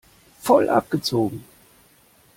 Voll abgezogen!